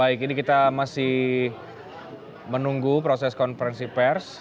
baik ini kita masih menunggu proses konferensi pers